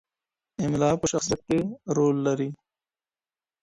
املا په شخصیت کي رول لري.